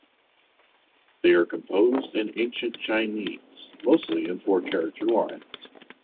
They are composed in ancient Chinese, mostly in four-character lines.